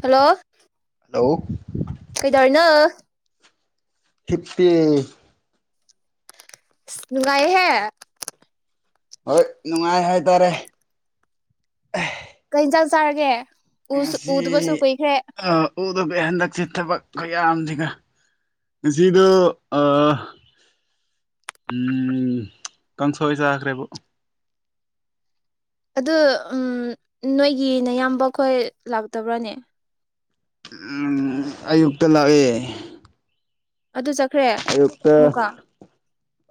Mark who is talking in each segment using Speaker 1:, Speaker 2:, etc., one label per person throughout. Speaker 1: Hello
Speaker 2: hello
Speaker 1: ꯀꯩꯗꯧꯔꯤꯅ‌ꯣ
Speaker 2: ꯍꯤꯞꯄꯤ
Speaker 1: ꯏꯁ ꯅꯨꯡꯉꯥꯏꯍꯦ
Speaker 2: ꯍꯣꯏ ꯅꯨꯡꯉꯥꯏ ꯍꯥꯏꯇꯥꯔꯦ
Speaker 1: ꯀꯩ ꯏꯟꯖꯥꯡ ꯆꯥꯔꯒꯦ ꯎ ꯎꯗꯕꯁꯨ ꯀꯨꯏꯈꯔ‌ꯦ
Speaker 2: ꯎꯗꯕꯩ ꯍꯟꯗꯛꯁ‌ꯦ ꯊꯕꯛ ꯈꯨꯌꯥꯝꯁꯤꯒ ꯉꯁꯤꯗꯣ ꯑ ꯎ ꯀꯥꯡꯁꯣꯏ ꯆꯥꯈ꯭ꯔꯦꯕ
Speaker 1: ꯑꯗꯨ ꯅꯣꯏꯒꯤꯅꯌꯥꯝꯕ ꯈꯣꯏ ꯂꯥꯛꯇꯕ꯭ꯔꯥꯅꯦ
Speaker 2: ꯑꯌꯨꯛꯇ ꯂꯥꯛꯑꯦ
Speaker 1: ꯑꯗꯨ ꯆ ꯐ꯭ꯔꯦ ꯃꯨꯒꯥ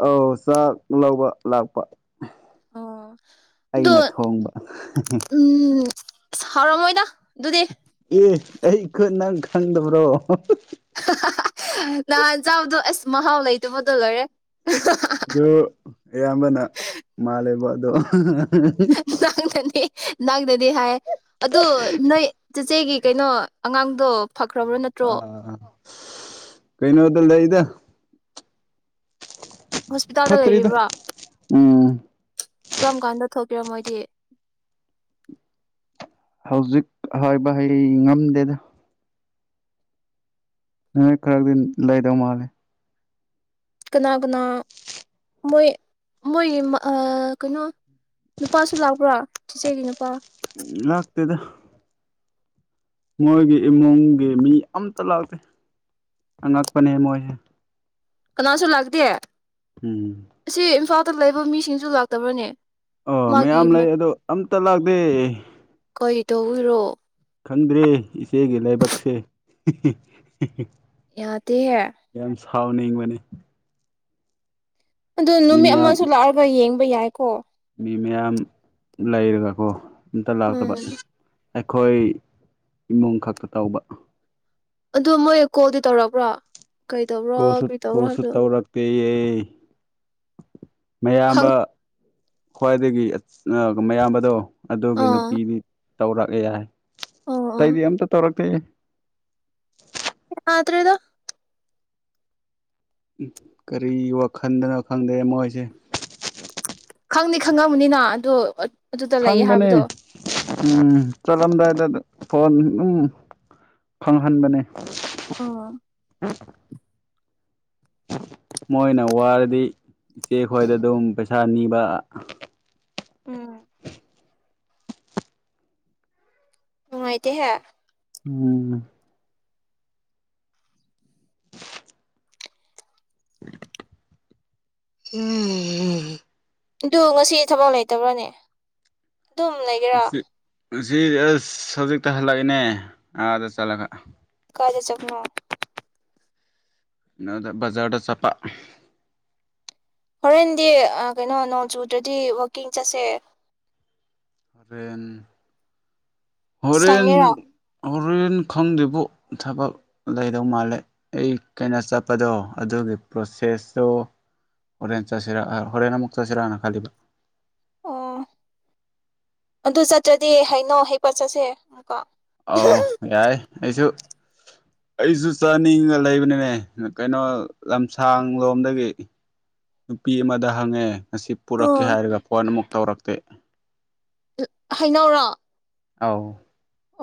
Speaker 2: ꯑ ꯆ ꯂꯧꯕꯧꯕ ꯂꯥꯛꯄꯥ
Speaker 1: ꯑꯣ ꯑꯗꯣ
Speaker 2: ꯑꯩꯅ ꯊꯣꯡꯕ
Speaker 1: ꯍꯥꯎꯔꯝꯣꯏꯗ ꯑꯗꯨꯗꯨꯗꯤ
Speaker 2: ꯑꯦ ꯑꯩ ꯈꯨ ꯅꯪ ꯈꯪꯗꯕ꯭ꯔꯣ
Speaker 1: ꯅꯍꯥꯟ ꯆꯥꯕꯗꯣ ꯑꯁ ꯃꯍꯥꯎ ꯂꯩꯇꯕꯣꯗꯣ ꯂꯔꯦ
Speaker 2: ꯑꯗꯨ ꯑꯌꯥꯝꯕꯅ ꯃꯥꯜꯂꯦꯕ ꯗꯣ
Speaker 1: ꯁꯥꯡ ꯊꯅꯤ ꯅꯪ ꯗꯗꯤ ꯍꯥꯏ ꯑꯗꯨ ꯅꯣꯏ ꯆꯆꯦꯒꯤ ꯀꯩꯅꯣ ꯑꯉꯥꯡꯗꯣ ꯐꯈ꯭ꯔꯕ꯭ꯔꯣ ꯅꯠꯇ꯭ꯔꯣ
Speaker 2: ꯑ ꯑ ꯀꯩꯅꯩꯅꯗꯦꯜꯗ ꯏꯗ
Speaker 1: ꯍꯣꯁꯄꯤꯇꯥꯜꯗ
Speaker 2: ꯐꯠꯇ꯭ꯔꯤꯗ
Speaker 1: ꯂꯩꯔꯤꯕ꯭ꯔꯥ
Speaker 2: ꯎꯝ
Speaker 1: ꯀꯔꯝ ꯀꯥꯟꯗ ꯊꯣꯛ ꯄꯤꯔꯝꯃꯣꯏꯗꯤ
Speaker 2: ꯍꯧꯖꯤꯛ ꯍꯥꯏꯕ ꯍꯩ ꯉꯝꯗꯦꯗ ꯅꯣꯏ ꯈꯔꯗꯤ ꯂꯩꯗꯧ ꯃꯥꯂꯦ
Speaker 1: ꯀꯅꯥ ꯀꯅꯥ ꯃꯣꯏ ꯃꯣꯏꯒꯤ ꯀꯩꯅꯣ ꯅꯨꯄꯥꯁꯨ ꯂꯥꯛꯄ꯭ꯔꯥ ꯆꯤꯆꯦꯒꯤ ꯅꯨꯄꯥ
Speaker 2: ꯂꯥꯛꯇꯗ ꯃꯣꯏꯒꯤ ꯏꯃꯨꯡꯒꯤ ꯃꯤ ꯑꯝꯇ ꯂꯥꯛꯇꯦ ꯑꯉꯛꯄꯅꯦ ꯃꯣꯏꯁꯦ
Speaker 1: ꯀꯅꯥꯁꯨ ꯂꯥꯛꯇꯦ
Speaker 2: ꯎꯝ
Speaker 1: ꯁꯤ ꯏꯝꯐꯥ ꯑ ꯂꯩꯕ ꯃꯤꯁꯤꯡꯁꯨ ꯂꯥꯛꯇꯕ꯭ꯔꯅꯦ
Speaker 2: ꯑꯣ
Speaker 1: ꯃꯥꯒꯤ
Speaker 2: ꯃꯌꯥꯝ ꯂꯩ ꯑꯗꯣ ꯑꯝꯇ ꯂꯥꯛꯇꯦ
Speaker 1: ꯀꯔꯤ ꯇꯧꯕꯤꯔꯣ
Speaker 2: ꯈꯪꯗ꯭ꯔꯦ ꯏꯆꯦꯒꯤ ꯂꯥꯏꯕꯛꯁꯦ
Speaker 1: ꯌꯥꯗꯤ ꯍ
Speaker 2: ꯊꯥꯎꯅꯤꯡꯕꯅꯤ
Speaker 1: ꯑꯗꯨ ꯅꯨꯃꯤꯠ ꯑꯃꯁꯨ ꯂꯥꯛꯑꯒ ꯌꯦꯡꯕ ꯌꯥꯏ ꯀꯣ
Speaker 2: ꯃꯤ ꯃꯌꯥꯝ ꯂꯩꯔꯒꯀꯣ ꯑꯝꯇ
Speaker 1: ꯎꯝ
Speaker 2: ꯂꯥꯛꯇꯕ ꯑꯩꯈꯣꯏ ꯏꯃꯨꯡ ꯈꯛꯇ ꯇꯧꯕ
Speaker 1: ꯑꯗꯨ ꯃꯣꯏ ꯀꯣꯜꯗꯤ ꯇꯧꯔꯛꯄ꯭ꯔꯣ ꯀꯔꯤ ꯇꯧꯕ꯭ꯔꯣ
Speaker 2: ꯀꯁꯠ
Speaker 1: ꯀꯔꯤ ꯇꯧꯕ꯭ꯔꯣ
Speaker 2: ꯀꯁ
Speaker 1: ꯍꯥꯏꯕꯗꯣ
Speaker 2: ꯇꯧꯔꯛꯄ [unintelligible]
Speaker 1: ꯈꯪ
Speaker 2: ꯃꯌꯥꯝꯕ ꯈ꯭ꯋꯥꯏꯗꯒꯤ ꯃꯌꯥꯝꯕꯗꯣ ꯑꯗꯨꯒꯤ
Speaker 1: ꯑꯥ
Speaker 2: ꯅꯨꯄꯤꯗꯤ ꯇꯧꯔꯛꯑꯦ ꯌꯥꯏ
Speaker 1: ꯑꯣ ꯑꯣ
Speaker 2: ꯇꯩꯗꯤ ꯑꯇ ꯇꯧꯔꯛ ꯄꯦ
Speaker 1: ꯠꯇꯦꯗꯣ
Speaker 2: ꯀꯔꯤ ꯋꯥꯈꯟꯗꯅꯣ ꯈꯪꯗꯦ ꯃꯣꯏꯁꯦ
Speaker 1: ꯈꯪꯅꯤ ꯈꯪꯉꯕꯅꯤꯅ ꯑꯗꯣ ꯑꯗꯨꯗ ꯂꯩꯌꯦ
Speaker 2: ꯈꯪꯕꯅꯦ
Speaker 1: ꯍꯥꯏꯕꯗꯣ
Speaker 2: ꯎꯝ ꯆꯠꯂꯝꯗꯥꯏꯗ ꯐꯣꯟ ꯑꯗꯨꯝ ꯐꯪꯍꯟꯕꯅꯦ
Speaker 1: ꯑꯥ
Speaker 2: [unintelligible] ꯃꯣꯏꯅ ꯋꯥꯔꯗꯤ ꯏꯆꯦ ꯈꯣꯏꯗ ꯑꯗꯨꯝ ꯄꯩꯁꯥ ꯅꯤ [unintelligible]
Speaker 1: ꯎꯝ ꯎ ꯑꯥꯏꯇꯍꯦ
Speaker 2: ꯎꯝ ꯎꯝ
Speaker 1: ꯑꯗꯨ ꯉꯁꯤ ꯊꯕꯛ ꯂꯩꯇꯕ꯭ꯔꯥꯅꯦ ꯑꯗꯨꯝ ꯂꯩꯒꯦꯔꯥ
Speaker 2: ꯁꯤ ꯑꯁ ꯍꯧꯖꯤꯛꯇ ꯍꯜꯂꯛꯏꯅꯦ ꯑꯥꯗ ꯆꯠꯂꯒ
Speaker 1: ꯀꯥꯖ ꯆꯈꯃ
Speaker 2: ꯅꯗ ꯖꯥꯔꯗ ꯆꯄꯥ
Speaker 1: ꯍꯣꯔꯦꯟꯗꯤ ꯀꯩꯅꯣ ꯅꯣꯡ ꯆꯨꯗ꯭ꯔꯗꯤ ꯋꯥꯛꯀꯤꯡ ꯆꯠꯁꯦ
Speaker 2: ꯦꯟ ꯍꯣꯔꯦꯟ
Speaker 1: ꯁꯪꯉꯦꯔꯣ
Speaker 2: ꯍꯣꯔꯦꯟ ꯈꯪꯗ꯭ꯕꯨ ꯊꯕꯛ ꯂꯩꯗꯧ ꯃꯥꯜꯂꯦ ꯑꯩ ꯀꯩꯅ ꯆꯠꯄꯗꯣ ꯑꯗꯨꯒꯤ ꯄ꯭ꯔꯣꯁꯦꯁꯇꯣ ꯍꯣꯔꯦꯟ ꯆꯠꯁꯤꯔ ꯍꯣꯔꯦꯟ ꯑꯃꯨꯛ ꯆꯠꯁꯤꯔꯥꯅ ꯈꯜꯂꯤꯕ
Speaker 1: ꯑꯣ ꯑꯗꯨ ꯆꯠꯇ꯭ꯔꯗꯤ ꯍꯥꯏꯩꯅꯣ ꯍꯩꯀꯣꯠ ꯆꯠꯁꯦꯀꯣ
Speaker 2: ꯑꯧ ꯌꯥꯏ ꯑꯩꯁꯨ ꯑꯩꯁꯨ ꯆꯥꯅꯤꯡꯉ ꯂꯩꯕꯅꯤꯅꯦ ꯀꯩꯅꯣ ꯂꯝꯁꯥꯡ ꯂꯣꯝꯗꯒꯤ ꯅꯨꯄꯤ ꯑꯃꯗ ꯍꯪꯉꯦ ꯉ ꯄꯨꯔꯛꯀꯦ
Speaker 1: ꯑꯥ
Speaker 2: ꯍꯥꯏꯔꯒ ꯐꯣꯟ ꯑꯃꯨꯛ ꯇꯧꯔꯛꯇꯦ
Speaker 1: ꯍꯩꯅꯧꯔꯣ
Speaker 2: ꯑꯥꯎ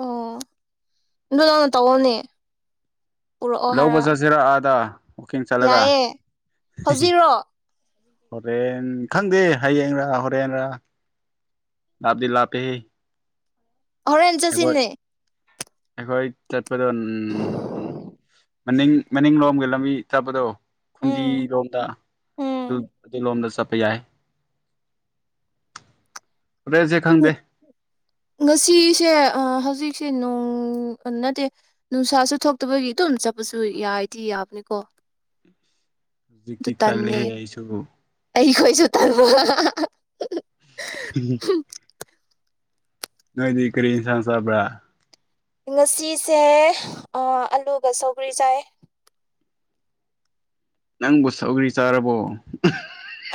Speaker 1: ꯑꯣ ꯑꯗꯨꯗꯧꯅ ꯇꯧꯑꯝꯅꯦ
Speaker 2: ꯂꯧꯕꯕꯁ ꯍꯁꯤꯔ ꯑꯗ
Speaker 1: ꯌꯥꯏꯑꯦ ꯍꯧꯖꯤꯛꯔꯣ
Speaker 2: ꯍꯣꯔꯦꯟ ꯈꯪꯗꯦ ꯍꯌꯦꯡꯔꯥ ꯍꯣꯔꯦꯟꯔꯥ ꯂꯥꯞꯗꯤ ꯂꯥꯞꯄꯤ
Speaker 1: ꯍꯣꯔꯦꯟ ꯆꯁꯤꯅꯦ
Speaker 2: ꯑꯩꯈꯣꯏ ꯆꯠ ꯎꯝ ꯃꯅꯤꯡ ꯃꯅꯤꯡ ꯂꯣꯝꯒꯤ ꯂꯝꯕꯤ ꯆꯠꯄꯗꯣ
Speaker 1: ꯎꯝ
Speaker 2: ꯈꯨꯟꯗꯤꯔꯣꯝꯗ ꯑꯗꯨ
Speaker 1: ꯎꯝ
Speaker 2: ꯑꯗꯨ ꯂꯣꯝꯗ ꯆꯠꯄ ꯌꯥꯏ ꯔꯦꯁꯦ ꯈꯪꯗꯦ
Speaker 1: ꯁꯦ ꯍꯧꯖꯤꯛꯁꯦ ꯅꯣꯡ ꯅꯠꯇꯦ ꯅꯨꯡꯁꯥꯁꯨ ꯊꯣꯛꯇꯕꯒꯤ ꯑꯗꯨꯝ ꯆꯠꯄꯁꯨ ꯌꯥꯏꯗꯤ ꯌꯥꯕꯅꯤꯀꯣ ꯑꯗꯨ
Speaker 2: ꯍꯧꯖꯤꯛꯇꯤ ꯇꯂꯦꯍꯦ ꯍꯥꯏꯁꯨ
Speaker 1: ꯊ
Speaker 2: ꯅꯣꯏꯗꯤ ꯀꯔꯤꯁ ꯆꯕ
Speaker 1: ꯉꯁꯤꯁꯦ ꯑꯂꯨꯒ ꯁꯒ꯭ꯔꯤ ꯆꯥꯏ
Speaker 2: ꯅꯪꯕꯨ ꯁꯧꯒ꯭ꯔꯤ ꯆꯥꯔꯕꯣ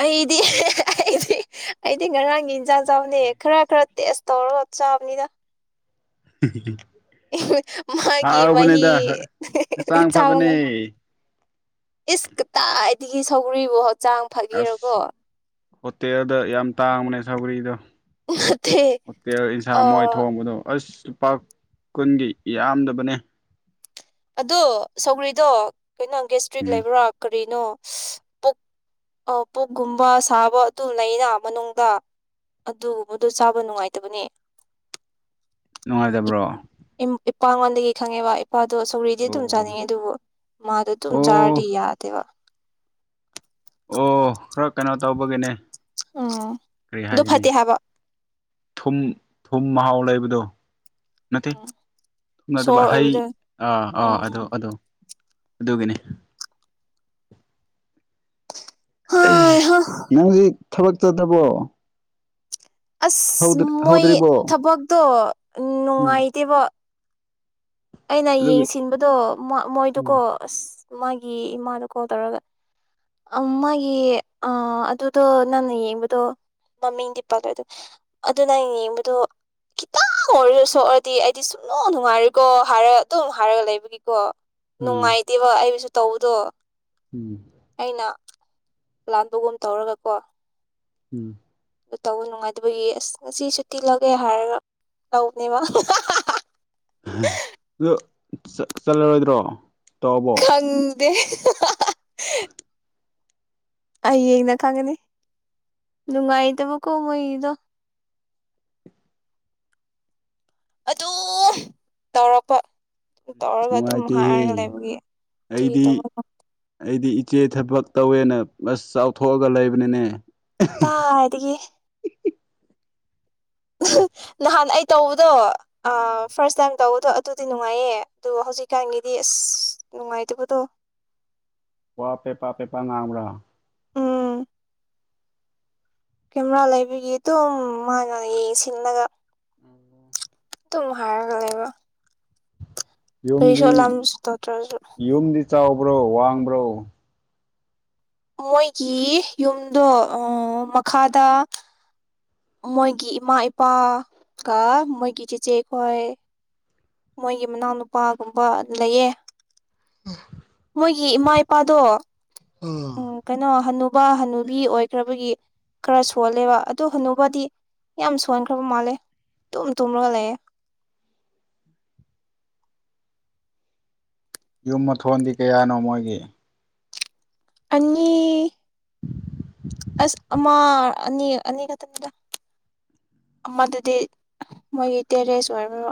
Speaker 1: ꯑꯩꯗꯤ ꯑꯩꯗꯤ ꯑꯩꯗꯤ ꯉꯔꯥꯡꯒꯤ ꯏꯟꯖꯥꯡꯖꯥꯎꯅꯦ ꯈꯔ ꯈꯔ ꯇꯦꯁ ꯇꯧꯔꯒ ꯆꯥꯕꯅꯤꯅ
Speaker 2: [unintelligible]
Speaker 1: ꯃꯥꯒꯤ ꯃꯍ
Speaker 2: ꯍꯥꯎꯕꯅꯦꯗ ꯍꯛꯆꯥꯡ
Speaker 1: ꯆꯒ
Speaker 2: ꯐꯕꯅꯦ
Speaker 1: ꯏꯁꯀꯇꯥ ꯇ ꯁꯒꯔꯤ ꯣꯠ ꯆꯥꯡ ꯐꯒꯦꯔꯀꯣ
Speaker 2: ꯑꯁ ꯍꯣꯇꯦꯜꯗ ꯌꯥꯝ ꯇꯥꯡꯕꯅꯦ ꯁꯧꯒꯔꯤꯗꯣ
Speaker 1: ꯅꯠꯇꯦ
Speaker 2: ꯑꯣꯛꯇꯦ
Speaker 1: ꯑ
Speaker 2: ꯏꯟꯁꯥꯡ ꯃꯣꯏ ꯊꯣꯡꯕꯗꯣ ꯑꯁ ꯂꯨꯄꯥ ꯀꯨꯟꯒꯤ ꯌꯥꯝꯗꯕꯅꯤ
Speaker 1: ꯑꯗꯣ ꯁꯧꯒ꯭ꯔꯤꯗꯣ ꯀꯩꯅꯣ ꯒꯦꯁꯇ꯭ꯔꯤꯠ ꯂꯩꯕ꯭ꯔꯥ ꯀꯔꯤꯅꯣ ꯄꯨꯛ ꯄꯨꯛꯀꯨꯝꯕ ꯁꯥꯕ ꯑꯗꯨ ꯂꯩꯅ ꯃꯅꯨꯡꯗ ꯑꯗꯨꯒꯨꯝꯕꯗꯣ ꯆꯥꯕ ꯅꯨꯡꯉꯥꯏꯇꯕꯅꯤ
Speaker 2: ꯅꯨꯡꯉꯥꯏꯇꯕ꯭ꯔꯣ
Speaker 1: ꯏ ꯏꯄꯥꯉ ꯋꯥ ꯀꯦꯀꯉꯦ ꯋꯥ ꯅꯨꯄꯥꯗꯣ ꯁꯧꯔꯤꯗꯤ
Speaker 2: ꯑꯣ
Speaker 1: ꯑꯗꯨꯝ ꯆꯥꯅꯤꯡꯉꯦ ꯑꯗꯨꯕꯨ ꯃꯥꯗꯣ ꯑꯗꯨꯝ
Speaker 2: ꯑꯣ
Speaker 1: ꯆꯥꯔꯗꯤ ꯌꯥꯗꯦꯕ
Speaker 2: ꯑꯣ ꯈꯔ ꯀꯩꯅꯣ ꯇꯧꯕꯒꯤꯅꯦ
Speaker 1: ꯎꯝ
Speaker 2: ꯀꯔꯤ
Speaker 1: ꯑꯗꯨ
Speaker 2: ꯍꯥꯏꯒꯅꯤ
Speaker 1: ꯐꯠꯇꯦ ꯍꯥꯏꯕ
Speaker 2: ꯊꯨꯝ ꯊꯨꯝ ꯃꯍꯥꯎ ꯂꯩꯕꯗꯨꯣ ꯅꯠꯇꯦ ꯊꯅꯗꯕ
Speaker 1: ꯁꯣꯔ
Speaker 2: ꯍꯩ
Speaker 1: ꯑꯣꯏꯕꯗꯣ
Speaker 2: ꯑꯥ ꯑꯥ ꯑꯗꯨ
Speaker 1: ꯎꯝ
Speaker 2: ꯑꯣ ꯑꯗꯨꯒꯤꯅꯤ [unintelligible]
Speaker 1: ꯍꯥꯏ ꯍꯥ
Speaker 2: ꯅꯪꯒꯤ ꯊꯕꯛꯇ ꯅꯕꯣ
Speaker 1: ꯑꯁ ꯃꯣꯏ
Speaker 2: ꯍꯧꯗ꯭ꯔꯤꯕꯣ
Speaker 1: ꯊꯕꯛꯇꯣ
Speaker 2: ꯎꯝ
Speaker 1: ꯅꯨꯡꯉꯥꯏꯇꯦꯕ ꯑꯩꯅ
Speaker 2: ꯑꯗꯨꯒꯤ
Speaker 1: ꯌꯦꯡꯁꯤꯟꯕꯗꯣ
Speaker 2: ꯎꯝ
Speaker 1: ꯃꯣꯏꯗꯨꯀꯣ ꯑꯁ ꯃꯥꯒꯤ ꯏꯃꯥꯗꯣ ꯀꯣꯜ ꯇꯧꯔꯒ ꯃꯥꯒꯤ ꯑꯗꯨꯗꯣ ꯅꯪꯅ ꯌꯦꯡꯕꯗꯣ ꯃꯃꯤꯡꯗꯤ ꯄꯜꯂꯑꯦꯗꯣ ꯑꯗꯨ ꯅꯪꯅ ꯌꯦꯡꯕꯗꯣ ꯈꯤꯇꯪ ꯑꯣꯏꯔꯔ ꯁꯣꯛꯔꯗꯤ ꯑꯩꯗꯤ ꯁꯨꯡꯅꯣ ꯅꯨꯡꯉꯥꯏꯔꯀꯣ ꯚꯔ ꯇꯝ ꯍꯚꯥꯔꯒ ꯂꯩꯕꯅꯤ ꯀꯣ
Speaker 2: ꯎꯝ
Speaker 1: ꯅꯨꯡꯉꯥꯏꯇꯦꯕ ꯑꯩꯁꯨ ꯇꯧꯗꯣ
Speaker 2: ꯎꯝ
Speaker 1: ꯑꯩꯅ ꯂꯥꯟꯕꯒꯨꯝ ꯇꯧꯔꯒꯀꯣ
Speaker 2: ꯎꯝ
Speaker 1: ꯑꯗꯨ ꯇꯧꯕ ꯅꯨꯡꯉꯥꯏꯇꯕꯒꯤ ꯑꯁ ꯉꯁꯤ ꯁꯨꯇꯤ ꯂꯧꯒꯦ ꯍꯥꯏꯔꯒ ꯇꯧꯕꯅꯦꯕ
Speaker 2: ꯑꯗꯨ ꯆꯠꯂꯔꯣꯏꯗ꯭ꯔꯣ ꯇꯕꯣ
Speaker 1: [unintelligible] ꯍꯌꯦꯡꯅ ꯈꯪꯒꯅꯤ ꯅꯨꯡꯉꯥꯏꯇꯕꯀꯣ ꯃꯣꯏꯗꯣ ꯑꯗꯨꯝ ꯇꯧꯔꯛꯄ
Speaker 2: ꯑꯁ
Speaker 1: ꯇꯧꯔꯒ ꯑꯗꯨꯝ ꯍꯥꯏꯔꯒ
Speaker 2: ꯅꯨꯡꯉꯥꯏꯇꯦꯍꯦ
Speaker 1: ꯂꯩꯕꯒꯤ ꯀ
Speaker 2: ꯑꯩꯗꯤ
Speaker 1: ꯇꯧꯕ
Speaker 2: ꯑꯩꯗꯤ ꯏꯆꯦ ꯊꯕꯛ ꯇꯧꯋꯦꯅ ꯕꯁ ꯆꯥꯎꯊꯣꯛꯑꯒ ꯂꯩꯕꯅꯤꯅꯦ
Speaker 1: ꯇꯥ ꯍꯥꯏꯗꯒꯤ ꯅꯥꯟ ꯇꯧꯕꯗꯣ ꯑ ꯐ꯭ꯥꯔꯁ ꯇꯥꯏꯝ ꯇꯧꯕꯗꯣ ꯑꯗꯨꯗꯤ ꯅꯨꯡꯉꯥꯏꯌꯦ ꯑꯗꯨ ꯍꯧꯖꯤꯛꯀꯥꯟꯒꯤꯗꯤ ꯑꯁ ꯅꯨꯡꯉꯥꯏꯇꯕꯗꯣ
Speaker 2: ꯋꯥ ꯄ‌ꯦꯄꯥ ꯄꯦꯄꯥ ꯉꯥꯡꯕ꯭ꯔ‌ꯥ
Speaker 1: ꯎꯝ ꯀꯦꯃꯦꯔꯥ ꯂꯩꯕꯒꯤ ꯑꯗꯨꯝ ꯃꯥꯅ ꯌꯦꯡ ꯁꯤꯜꯂꯒ ꯑꯗꯨꯝ ꯍꯥꯏꯒ ꯂꯩꯕ ꯀꯔꯤꯁꯨ
Speaker 2: ꯌꯨꯝꯗꯤ
Speaker 1: ꯑꯂꯥꯟꯕꯁꯨ ꯇꯧꯇ꯭ꯔꯁꯨ
Speaker 2: ꯌꯨꯝꯗꯤ ꯆꯥꯎꯕ꯭ꯔꯣ ꯋꯥꯡꯕ꯭ꯔꯣ
Speaker 1: ꯃꯣꯏꯒꯤ ꯌꯨꯝꯗꯣ ꯃꯈꯥꯗ ꯃꯣꯏꯒꯤ ꯏꯃꯥ ꯏꯄꯥ ꯀ ꯃꯣꯏꯒꯤ ꯆꯤꯆꯦꯈꯣꯏ ꯃꯣꯏꯒꯤ ꯃꯅꯥꯎꯅꯨꯄꯥꯒꯨꯝꯕ ꯂꯩꯌꯦ ꯃꯣꯏꯒꯤ ꯏꯃꯥ ꯏꯄꯥꯗꯣ ꯎ ꯀꯩꯅꯣ ꯍꯅꯨ ꯕꯥ ꯍꯅꯨꯕꯤ ꯑꯣꯏꯈ꯭ꯔꯕꯒꯤ ꯈꯔ ꯁꯣꯜꯂꯦꯕ ꯑꯗꯨ ꯍꯅꯨꯕꯥꯗꯤ ꯌꯥꯝ ꯁꯣꯟꯈ꯭ꯔꯕ ꯃꯥꯜꯂꯦ ꯇꯨꯝ ꯇꯨꯝꯂꯒ ꯂꯩꯑꯦ
Speaker 2: ꯌꯨꯝ ꯃꯊꯣꯟꯗꯤ ꯀꯌꯥꯅꯣ ꯃꯣꯏꯒꯤ
Speaker 1: ꯑꯅꯤ ꯑꯁ ꯑꯃ ꯑꯅꯤ ꯑꯅꯤ ꯈꯛꯇꯪꯗ ꯑꯃꯗꯨꯗꯤ ꯃꯣꯏꯒꯤ ꯇꯦꯔꯦꯁ ꯑꯣꯏꯔ‌ꯦꯕ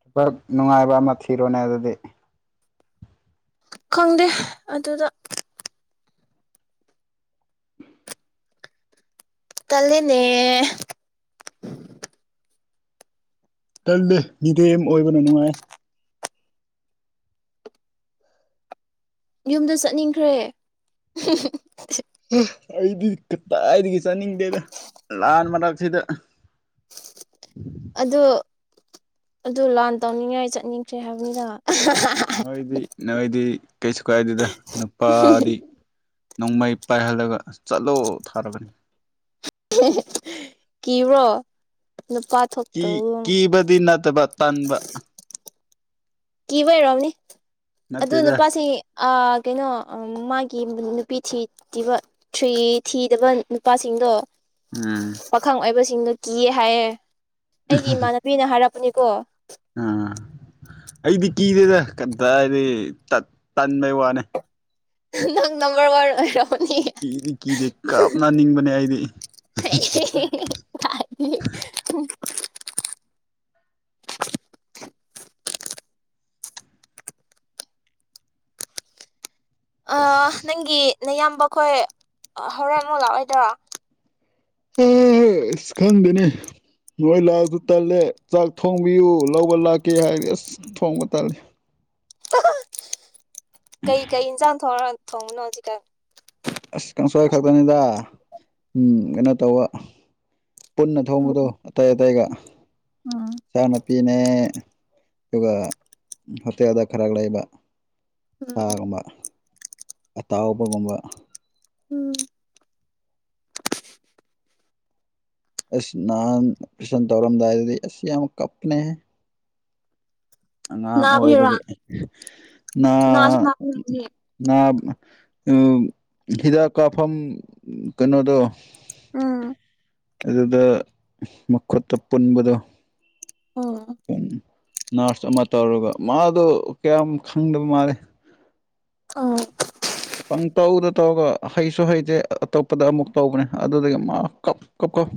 Speaker 2: ꯊꯕꯛ ꯅꯨꯡꯉꯥꯏꯕ ꯑꯃ ꯊꯤꯔꯣꯅꯦ ꯑꯗꯨꯗꯤ
Speaker 1: ꯈꯪꯗꯦ ꯑꯗꯨꯗ ꯇꯜꯂꯦꯅꯦ
Speaker 2: ꯇꯜꯗꯦ ꯃꯤꯔ‌ꯦꯝ ꯑꯣꯏꯕꯅ ꯅꯨꯡꯉꯥꯏ
Speaker 1: ꯌꯨꯝꯗ ꯆꯠꯅꯤꯡꯈ꯭ꯔꯦ
Speaker 2: ꯑꯩꯗꯤ ꯀꯥꯏꯗꯒꯤ ꯆꯠꯅꯤꯡꯗꯦꯗ ꯂꯥꯟ ꯃꯔꯛꯁꯤꯗ
Speaker 1: ꯑꯗꯣ ꯑꯗꯨ ꯂꯥꯟ ꯇꯧꯅꯤꯡꯉꯥꯏ ꯆꯠꯅꯤꯡꯈ꯭ꯔꯦ ꯍꯥꯏꯕꯅꯤꯅ
Speaker 2: ꯅꯣꯏꯗꯤ ꯅꯣꯏꯗꯤ ꯀꯩꯁꯨ ꯀꯥꯏꯗꯦꯗ ꯅꯨꯄꯥꯗꯤ ꯅꯣꯡꯃꯩ ꯄꯥꯏꯍꯜꯂꯒ ꯆꯠꯂꯣ ꯊꯥꯔꯕꯅꯤ
Speaker 1: [unintelligible] ꯀꯤꯕ꯭ꯔꯣ ꯅꯨꯄꯥ ꯊꯣꯛꯇꯕꯒꯨꯝ
Speaker 2: ꯀꯤꯕꯗꯤ ꯅꯠꯇꯕ ꯇꯟꯕ
Speaker 1: ꯀꯤꯕꯩ ꯑꯣꯏꯔꯝꯅꯤ ꯑꯗꯨ
Speaker 2: ꯅꯠꯇꯦꯗ
Speaker 1: ꯅꯨꯄꯥꯁꯤ ꯀꯩꯅꯣ ꯃꯥꯒꯤ ꯅꯨꯄꯤ ꯊꯤꯕ ꯊ꯭ꯔꯤ ꯊꯤꯗꯕ ꯅꯨꯄꯥꯁꯤꯡꯗꯣ
Speaker 2: ꯎꯝ
Speaker 1: ꯁꯤꯡꯅ ꯀꯤꯌ‌ꯦ ꯍꯥꯏꯌꯦ ꯑꯩꯒꯤ ꯏꯃꯥꯟꯅꯕꯤꯅ ꯍꯥꯏꯔꯄ ꯄꯅꯤ ꯀꯣ
Speaker 2: ꯑꯥ ꯑꯩꯗꯤ ꯀꯤꯗꯦꯗ ꯀꯥꯗꯥꯏꯗꯩ ꯇꯠ ꯇꯟꯕꯩ ꯋꯥꯅꯦ
Speaker 1: ꯅꯪ ꯅꯝꯕꯔ ꯋꯥꯟ ꯑꯣꯏꯔꯣ꯫
Speaker 2: ꯀꯤꯗꯤ ꯀꯤꯗꯦ ꯀꯥꯞꯅꯅꯤꯡꯕꯅꯦ ꯑꯩꯗꯤ꯫
Speaker 1: ꯑꯣꯏꯔꯝꯃꯅꯤ ꯑ ꯅꯪꯒꯤ ꯅꯌꯥꯝꯕ ꯈꯣꯏ ꯍꯧꯔꯦꯟ ꯃꯂꯥꯛꯑꯣꯏꯗꯣꯏꯔꯣ?
Speaker 2: ꯑ ꯑꯁ ꯈꯪꯗꯦꯅꯤ ꯅꯣꯏ ꯂꯥꯛꯑꯁꯨ ꯇꯜꯂꯦ ꯆꯥꯛ ꯊꯣꯡꯕꯤꯌꯨ ꯂꯧꯕ ꯂꯥꯛꯀꯦ ꯍꯥꯏꯔꯗꯤ ꯑꯁ ꯊꯣꯡꯕ ꯇꯂꯦ꫰
Speaker 1: ꯀꯩ - ꯀꯩ ꯏꯟꯁꯥꯡ ꯊꯣꯡꯔ ꯊꯣꯡꯕꯅꯣ ꯑꯗꯨꯗ?
Speaker 2: ꯑꯁ ꯀꯪꯁꯪꯏ ꯈꯛꯇꯅꯤꯗ꯫ ꯎꯝ ꯀꯩꯅꯣ ꯇꯧꯕ ꯄꯨꯟꯅ
Speaker 1: ꯎꯝ
Speaker 2: ꯊꯣꯡꯕꯗ ꯑꯇꯩ- ꯑꯇꯩꯒ
Speaker 1: ꯎꯝ
Speaker 2: ꯆꯥꯅ ꯅꯨꯄꯤꯅꯦ ꯑꯗꯨꯒ ꯍꯣꯇꯦꯜꯗ ꯈꯔ ꯂꯩꯕ
Speaker 1: ꯎꯝ
Speaker 2: ꯁꯥꯒꯨꯝꯕ ꯑꯇꯥꯎꯕꯒꯨꯝꯕ
Speaker 1: ꯎꯝ꯫
Speaker 2: ꯏꯁ ꯅꯍꯥꯟ [unintelligible] ꯇꯧꯔꯝꯗꯥꯏꯗꯗꯤ ꯑꯁ ꯌꯥꯝ ꯀꯞꯅꯦ ꯍꯦ꯫ ꯑꯉꯥꯡ
Speaker 1: ꯅꯥꯕꯒꯤꯔꯥ
Speaker 2: ꯑꯣꯏꯕꯒꯤ
Speaker 1: ꯅꯥꯁꯨ ꯅꯥꯕꯅꯤ
Speaker 2: ꯅꯥ ꯎ ꯍꯤꯗꯥꯛ ꯀꯥꯞꯐꯝ ꯀꯩꯅꯣꯗ
Speaker 1: ꯎꯝ꯫
Speaker 2: ꯑꯗꯨꯗ ꯃꯈꯨꯠꯇ ꯄꯨꯟꯕꯗꯣ
Speaker 1: ꯑꯣ꯫
Speaker 2: ꯅꯥꯔꯁ ꯑꯃ ꯇꯧꯔꯒ ꯃꯥꯗꯣ ꯀꯌꯥꯝ ꯈꯪꯗꯕ ꯃꯥꯂꯦ꯫
Speaker 1: ꯑ꯫
Speaker 2: ꯄꯪ ꯇꯧꯗ ꯇꯧꯔꯒ ꯍꯩꯁꯨ - ꯍꯩꯁꯦ ꯑꯇꯣꯞꯄꯗ ꯑꯃꯨꯛ ꯇꯧꯕꯅꯦ ꯑꯗꯨꯗꯒꯤ ꯃꯥ ꯀꯞ- ꯀꯞ- ꯀꯞ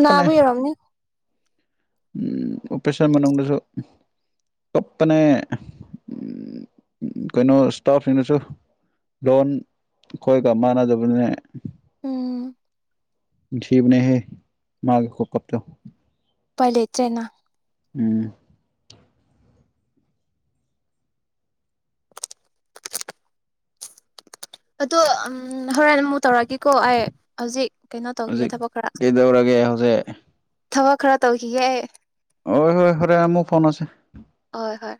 Speaker 1: ꯅꯥꯕꯒꯤ ꯑꯪꯏꯔꯝꯅꯤ꯫
Speaker 2: ꯑꯣꯄꯦꯁꯟ ꯃꯅꯨꯡꯗꯁꯨ ꯀꯞꯄꯅꯦ ꯀꯩꯅꯣ ꯏꯁꯇꯥꯐꯁꯤꯡꯗꯁꯨ ꯂꯣꯟ ꯈꯣꯏꯒ ꯃꯥꯟꯅꯗꯕꯅꯤꯅ
Speaker 1: ꯎꯝ꯫
Speaker 2: ꯅꯨꯡꯁꯤꯕꯅꯤ ꯍꯦ ꯃꯒꯤ ꯈꯨꯀꯞꯇꯣ!
Speaker 1: ꯄꯥꯏ ꯂꯩꯇꯔ꯭ꯦꯅ
Speaker 2: ꯎꯝ꯫
Speaker 1: ꯑꯗꯣ ꯑꯝ ꯍꯣꯔꯦꯟ ꯑꯃꯨꯛ ꯇꯧꯔꯛꯒꯦꯀꯣ ꯑꯩ ꯍꯧꯖꯤꯛ ꯀꯩꯅꯣ ꯇꯧꯈꯤꯒꯦ
Speaker 2: ꯍꯧꯖꯤꯛ
Speaker 1: ꯊꯕꯛ ꯈꯔ꯫
Speaker 2: ꯀꯩꯗꯧꯔꯒꯦ ꯍꯧꯖꯤꯛ
Speaker 1: ꯊꯕꯛ ꯈꯔ ꯇꯧꯈꯤꯒꯦ꯫
Speaker 2: ꯍ ꯍꯣꯏ ꯍꯔꯦꯟ ꯑꯥꯃꯨꯛ ꯐꯥꯑꯣꯅꯥꯁꯦ ꯫
Speaker 1: ꯍꯣꯏ ꯍꯣꯏ